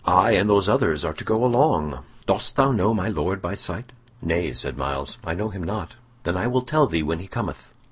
I and those others are to go along. Dost thou know my Lord by sight?" "Nay," said Myles, "I know him not." "Then I will tell thee when he cometh.